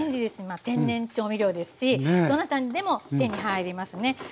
天然調味料ですしどなたにでも手に入りますね。